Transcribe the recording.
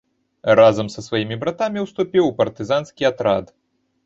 Разам са сваімі братамі ўступіў у партызанскі атрад.